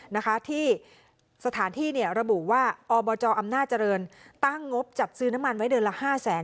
นะคะที่สถานที่เนี่ยระบุว่าอบจอำนาจเจริญตั้งงบจัดซื้อน้ำมันไว้เดือนละห้าแสน